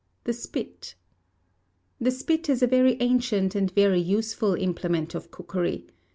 The Spit. The spit is a very ancient and very useful implement of cockery.